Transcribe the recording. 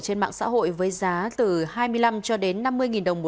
trên mạng xã hội với giá từ hai mươi năm cho đến năm mươi đồng